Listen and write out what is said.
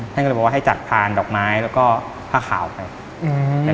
ท่านก็เลยบอกว่าให้จัดทานดอกไม้แล้วก็ผ้าขาวไปอืม